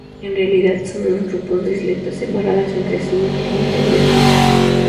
En realidad, son dos grupos de isletas, separadas entre sí un kilómetro y medio.